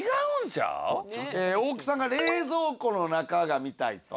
おおきさんが冷蔵庫の中が見たいと。